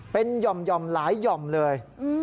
เป็นหย่อมหลายหย่อมเลย